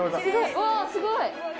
うわすごい！